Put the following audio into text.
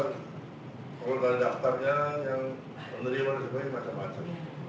padahal kalau dalam daftarnya yang menerima seperti ini macam macam